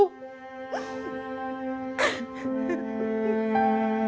ia kaya si aa